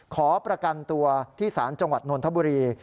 ขอประกันตัวที่ศาลจังหวัดนนทบุรี